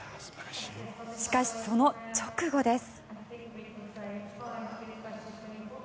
しかし、その直後です。